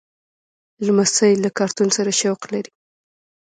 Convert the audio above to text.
لمسی له کارتون سره شوق لري.